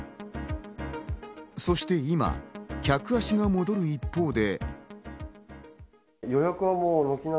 そして今、客足が戻る一方で。